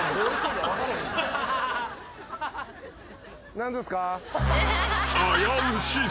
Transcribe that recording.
何ですか？